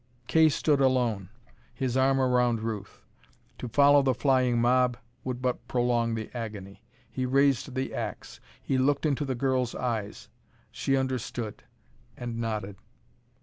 Kay stood alone, his arm around Ruth. To follow the flying mob would but prolong the agony. He raised the ax. He looked into the girl's eyes. She understood, and nodded.